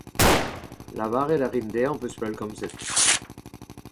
Lavaret a rin dezhañ hoc'h eus pellgomzet.